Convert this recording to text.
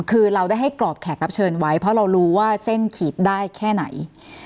คือเราได้ให้กรอบแขกรับเชิญไว้เพราะเรารู้ว่าเส้นขีดได้แค่ไหน